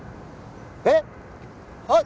えっ！はっ？